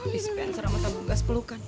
dispenser sama tabung gas pelukan